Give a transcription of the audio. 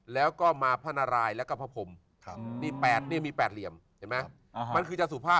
แล้วก็มาภนรายและครับพะพมนี่มี๘เหลี่ยมมันคือจะสูภาพ